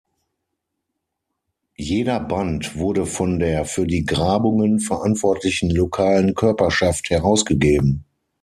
Jeder Band wurde von der für die Grabungen verantwortlichen lokalen Körperschaft herausgegeben.